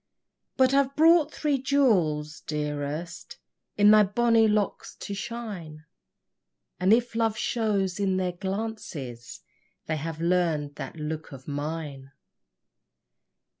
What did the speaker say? But I've brought thee jewels, dearest, In thy bonny locks to shine, And if love shows in their glances, They have learn'd that look of mine!